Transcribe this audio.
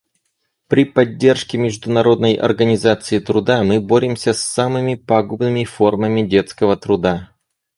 При поддержке Международной организации труда мы боремся с самыми пагубными формами детского труда.